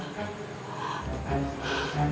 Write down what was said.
kamu bisa mencari foto itu